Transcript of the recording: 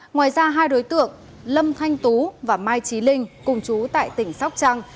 ngoài ra hai đối tượng lâm thanh tú và mai trí linh cùng chú tại tỉnh sóc trăng